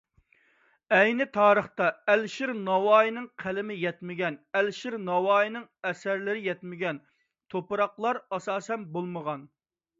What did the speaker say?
ئەينى تارىختا ئەلىشىر نەۋائىينىڭ قەلىمى يەتمىگەن، ئەلىشىر نەۋائىينىڭ ئەسەرلىرى يەتمىگەن تۇپراقلار ئاساسەن بولمىغان.